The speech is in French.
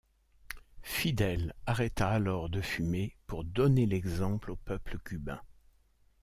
Fidel arrêta alors de fumer pour donner l'exemple au peuple cubain.